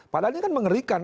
padahal ini kan mengerikan